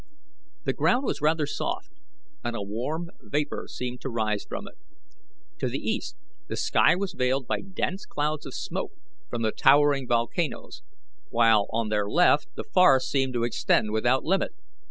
The ground was rather soft, and a warm vapor seemed to rise from it. To the east the sky was veiled by dense clouds of smoke from the towering volcanoes, while on their left the forest seemed to extend without limit.